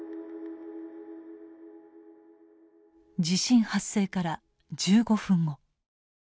地震発生から１５分後。